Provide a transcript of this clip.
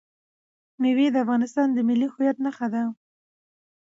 مېوې د افغانستان د ملي هویت نښه ده.